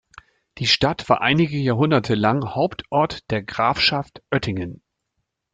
Die Stadt war einige Jahrhunderte lang Hauptort der Grafschaft Oettingen.